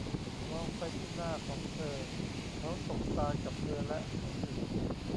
มองไปที่หน้าของเธอ เขาสบตากับเธอ และเขาหยุด